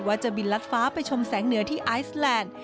จะบินลัดฟ้าไปชมแสงเหนือที่ไอซแลนด์